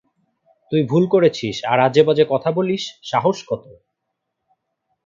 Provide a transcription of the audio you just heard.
তুই ভুল করেছিস আর আজেবাজে কথা বলিস সাহস কত?